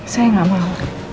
saya gak mau